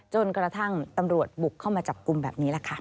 จนกระทั่งตำรวจบุกเข้ามาจับกลุ่มแบบนี้แหละค่ะ